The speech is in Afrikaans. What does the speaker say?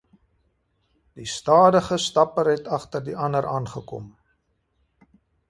Die stadige stapper het agter die ander aangekom.